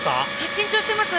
緊張してます。